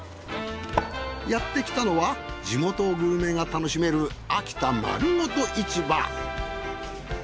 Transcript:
やってきたのは地元グルメが楽しめる秋田まるごと市場。